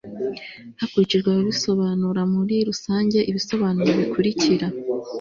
hakurikijwe ababisobanura Muri rusange ibisobanuro bikurikira